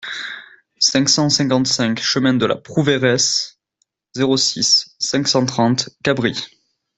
cinq cent cinquante-cinq chemin de la Prouveiresse, zéro six, cinq cent trente, Cabris